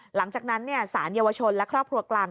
หลังจากนั้นสารเยาวชนและครอบครัวกลาง